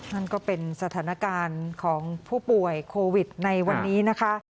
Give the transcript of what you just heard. นั่นก็เป็นสถานการณ์ของผู้ป่วยโควิดในวันนี้นะคะ